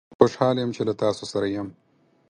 خوشحال یم چې له تاسوسره یم